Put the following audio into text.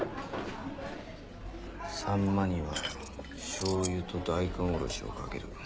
サンマにはしょうゆと大根おろしをかける。